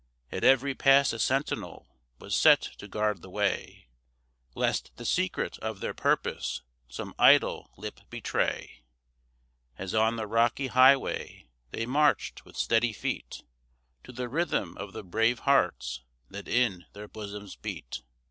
At every pass a sentinel was set to guard the way, Lest the secret of their purpose some idle lip betray, As on the rocky highway they marched with steady feet To the rhythm of the brave hearts that in their bosoms beat.